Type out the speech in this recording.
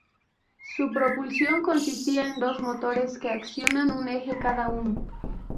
Su propulsión consistía en dos motores que accionan un eje cada uno.